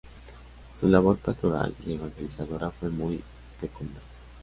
Su labor pastoral y evangelizadora fue muy fecunda.